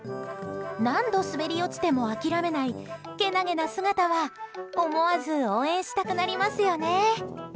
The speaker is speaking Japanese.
何度、滑り落ちても諦めないけなげな姿は思わず応援したくなりますよね。